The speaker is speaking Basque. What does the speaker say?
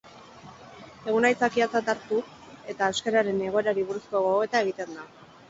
Eguna aitzakiatzat hartu, eta euskararen egoerari buruzko gogoeta egiten da.